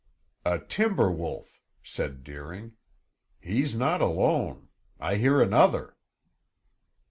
"A timber wolf," said Deering. "He's not alone. I hear another."